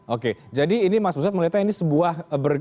oke jadi ini mas busat melihatnya ini sebuah